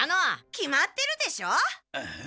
決まってるでしょ。